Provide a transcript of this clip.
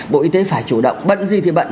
bộ y tế phải chủ động bận gì thì bận